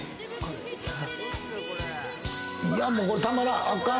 いや、これ、たまらん！